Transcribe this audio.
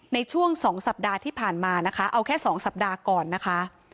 ในช่วง๒สัปดาห์ที่ผ่านมานะคะเอาแค่๒สัปดาห์ก่อนนะคะ